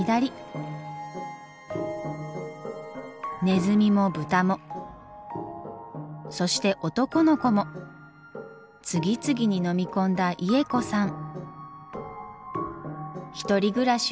ネズミもブタもそして男の子も次々に飲み込んだイエコさん。